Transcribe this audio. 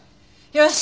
よし！